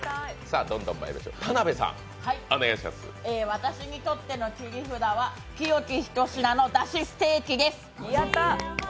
私にとっての切り札は清喜ひとしなの出汁ステーキです。